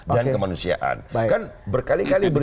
dan kemanusiaan kan berkali kali